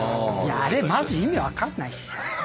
あれマジ意味分かんないっす。